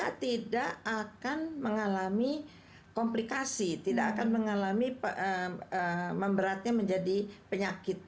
kita tidak akan mengalami komplikasi tidak akan mengalami memberatnya menjadi penyakit